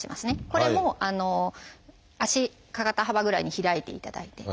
これも足肩幅ぐらいに開いていただいて。